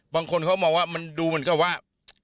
บางคนเขามองว่ามันดูเหมือนกับว่า